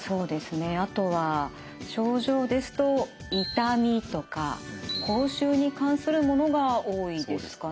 あとは症状ですと「痛み」とか「口臭」に関するものが多いですかね。